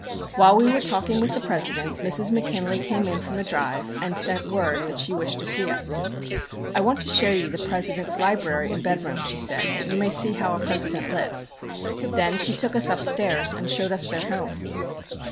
While we were talking with the President, Mrs. McKinley came in from a drive and sent word that she wished to see us. "I want to show you the President's library and bedroom," she said, "that you may see how a President lives." Then she took us upstairs and showed us their home.